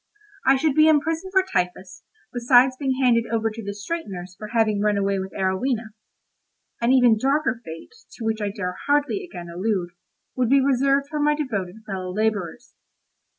I should be imprisoned for typhus, besides being handed over to the straighteners for having run away with Arowhena: an even darker fate, to which I dare hardly again allude, would be reserved for my devoted fellow labourers.